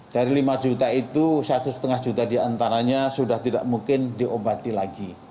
dari lima juta itu satu lima juta diantaranya sudah tidak mungkin diobati lagi